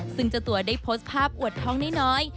ซึ่งเจ้าตัวได้โพสต์ภาพอวดท้องน้อย